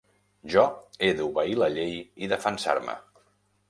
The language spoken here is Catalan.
Jo he d'obeir la llei i defensar-me.